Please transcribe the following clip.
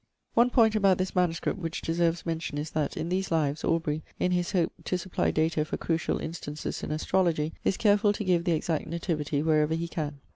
One point about this MS. which deserves mention is that, in these lives, Aubrey, in his hope to supply data for crucial instances in astrology, is careful to give the exact nativity wherever he can.